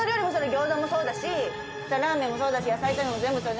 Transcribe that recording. ギョーザもそうだしラーメンもそうだし野菜炒めも全部そう。